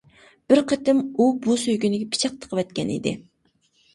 بىر قېتىم ئۇ بۇ سۆيگىنىگە پىچاق تىقىۋەتكەن ئىكەن.